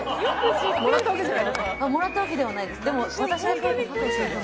もらったわけではないです。